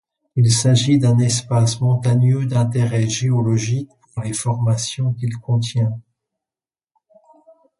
Il s'agit d'un espace montagneux d'intérêt géologique, pour les formations qu'il contient.